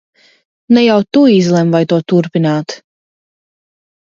Ne jau tu izlem, vai to turpināt!